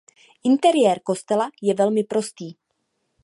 Interiér kostela je velmi prostý.